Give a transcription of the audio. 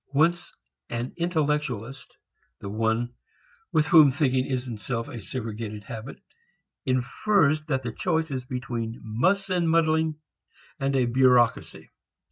Whence an intellectualist; the one with whom thinking is itself a segregated habit, infers that the choice is between muss and muddling and a bureaucracy.